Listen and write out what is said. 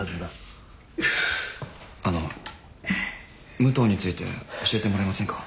あの武藤について教えてもらえませんか？